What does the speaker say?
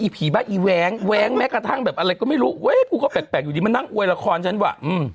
ผีบ้านอีแว้งแว้งแม้กระทั่งแบบอะไรก็ไม่รู้เฮ้ยกูก็แปลกอยู่ดีมานั่งอวยละครฉันว่ะ